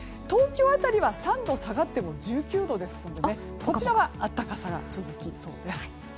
東京辺りは３度下がっても１９度ですのでこちらは暖かさが続きそうです。